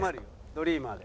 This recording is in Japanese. ドリーマーで」